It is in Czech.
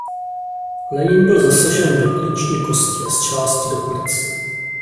Lenin byl zasažen do klíční kosti a zčásti do plic.